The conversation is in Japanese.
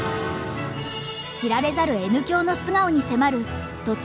知られざるＮ響の素顔に迫る突撃リポートも！